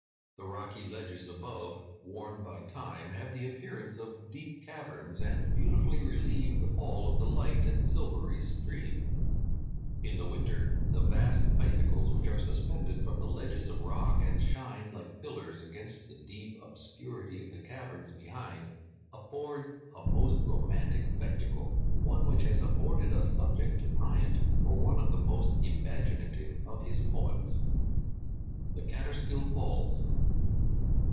The rocky ledges above, worn by time, have the appearance of deep caverns, and beautifully relieve the fall of the light and silvery stream. In the winter, the vast icicles which are suspended from the ledges of rock, and shine like pillars against the deep obscurity of the caverns behind, afford a most romantic spectacle, one which has afforded a subject to Bryant for one of the most imaginative of his poems. THE CATTERSKILL FALLS.